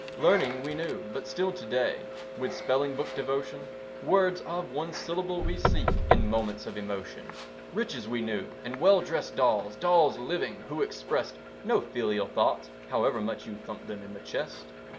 Learning we knew; but still to day, With spelling book devotion, Words of one syllable we seek In moments of emotion. Riches we knew; and well dressed dolls Dolls living who expressed No filial thoughts, however much You thumped them in the chest.